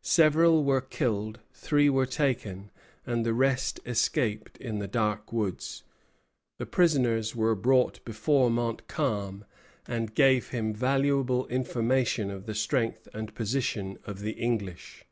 Several were killed, three were taken, and the rest escaped in the dark woods. The prisoners were brought before Montcalm, and gave him valuable information of the strength and position of the English.